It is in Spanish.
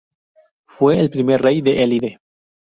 Fue el primer rey de Élide.